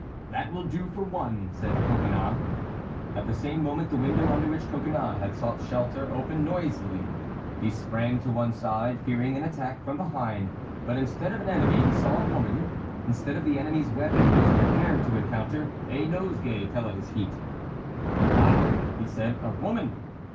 "That will do for one!" said Coconnas. At the same moment the window under which Coconnas had sought shelter opened noisily. He sprang to one side, fearing an attack from behind; but instead of an enemy he saw a woman; instead of the enemy's weapon he was prepared to encounter, a nosegay fell at his feet. "Ah!" he said, "a woman!"